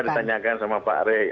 ditanyakan sama pak rey